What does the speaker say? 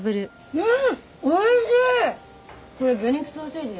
うん！